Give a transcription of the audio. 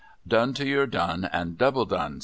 ' Done to your done, and double done